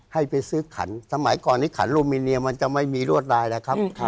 ให้ไปซื้อขันสมัยก่อนที่ขันลูมิเนียมันจะไม่มีรวดลายแล้วครับ